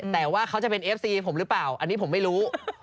แต่ว่าเขาจะเป็นเอฟซีผมหรือเปล่าอันนี้ผมไม่รู้